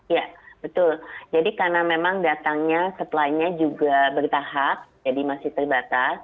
ya betul jadi karena memang datangnya supply nya juga bertahap jadi masih terbatas